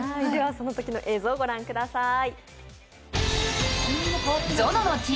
そのときの映像をご覧ください。